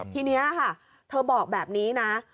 ทีนี้ค่ะเธอบอกแบบนี้นะ